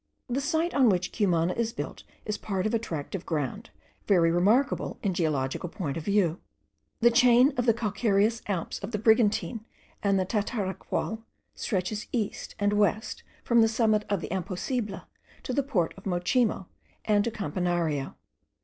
The site on which Cumana is built is part of a tract of ground, very remarkable in a geological point of view. The chain of the calcareous Alps of the Brigantine and the Tataraqual stretches east and west from the summit of the Imposible to the port of Mochima and to Campanario.